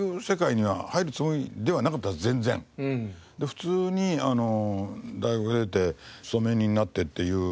普通に大学出て勤め人になってっていう。